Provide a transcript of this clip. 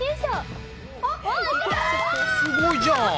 すごいじゃん！